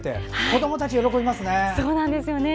子どもたち喜びますね。